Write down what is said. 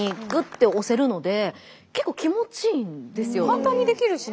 簡単にできるしね。